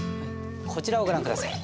こちらをご覧下さい。